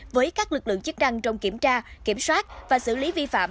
với các lực lượng chức năng trong kiểm tra kiểm soát và xử lý vi phạm